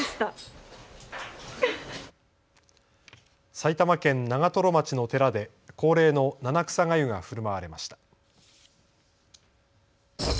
埼玉県長瀞町の寺で恒例の七草がゆがふるまわれました。